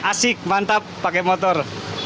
asik mantap pakai motor